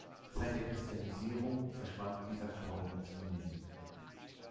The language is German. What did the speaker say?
Seit der Christianisierung verschwand dieser Glauben zunehmend.